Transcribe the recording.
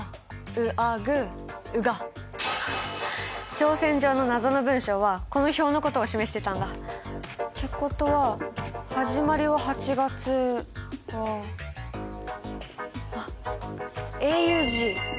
挑戦状の謎の文章はこの表のことを示してたんだ！ってことは「始まりは８月」はあっＡＵＧ！